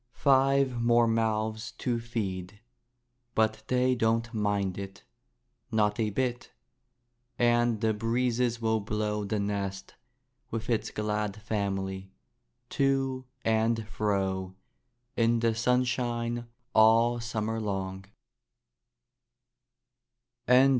Five more mouths to feed! but they don't mind it, not a bit. And the breezes will blow the nest, with its glad family, to and fro in the sunshine all summer long.